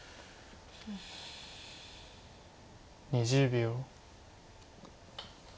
２０秒。